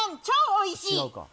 超おいしい！